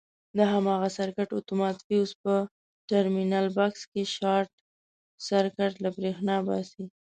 د هماغه سرکټ اتومات فیوز په ټرمینل بکس کې شارټ سرکټ له برېښنا باسي.